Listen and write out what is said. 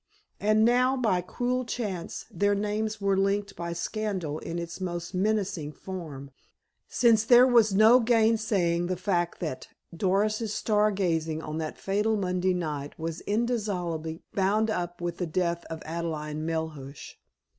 And now, by cruel chance, their names were linked by scandal in its most menacing form, since there was no gainsaying the fact that Doris's star gazing on that fatal Monday night was indissolubly bound up with the death of Adelaide Melhuish.